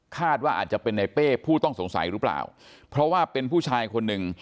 คาดว่าอาจจะเป็นในเป้ผู้ต้องสงสัยหรือเปล่าเพราะว่าเป็นผู้ชายคนหนึ่ง